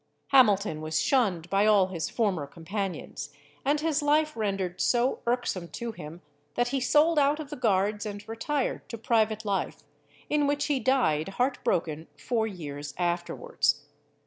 Hamilton was shunned by all his former companions, and his life rendered so irksome to him, that he sold out of the Guards and retired to private life, in which he died heart broken four years afterwards.